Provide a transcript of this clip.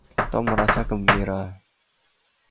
Tom merasa gembira.